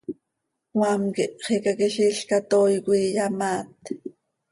Cmaam quih xicaquiziil catooi coi iyamaaat.